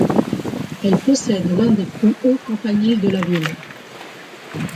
Elle possède l'un des plus hauts campaniles de la ville.